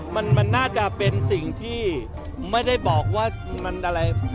มันมันน่าจะเป็นสิ่งที่ไม่ได้บอกว่ามันอะไร